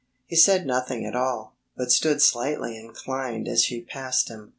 He said nothing at all, but stood slightly inclined as she passed him.